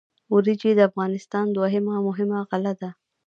وریجې د افغانستان دویمه مهمه غله ده.